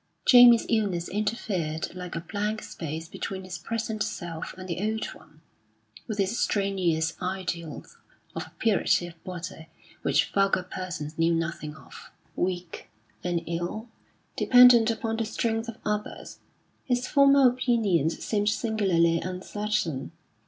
Jamie's illness interfered like a blank space between his present self and the old one, with its strenuous ideals of a purity of body which vulgar persons knew nothing of. Weak and ill, dependent upon the strength of others, his former opinions seemed singularly uncertain.